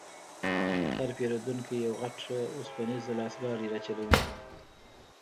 هر پېرونکی یو غټ وسپنیز لاسګاډی راچلوي.